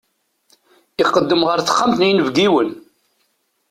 Iqeddem ɣer texxamt n yinebgiwen.